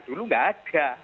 dulu enggak ada